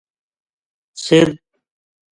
سر